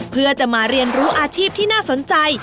เพื่อจะมาเรียนรู้อาชีพที่น่าสนใจ